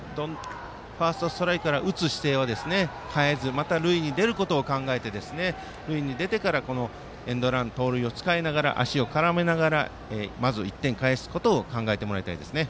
ファーストストライクから打つ姿勢は変えずまた塁に出ることを考えて塁に出てからエンドラン盗塁を使いながら足を絡めながらまず１点返すことを考えてもらいたいですね。